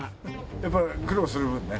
やっぱり苦労する分ね。